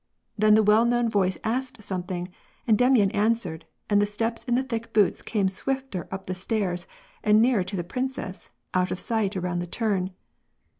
Then the well known voice asked something, and Demyan answered, and the steps in the thick boots came swifter up the stairs and nearer to the princess, out of sight around the turn.